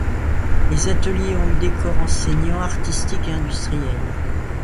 Les ateliers ont eu des corps enseignants artistiques et industriels.